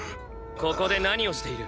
ここで何をしている？